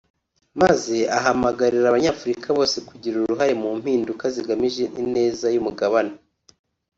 maze ahamagarira abanyafurika bose kugira uruhare mu mpinduka zigamije ineza y’umugabane